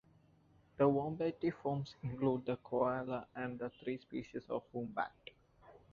The Vombatiformes include the koala and the three species of wombat.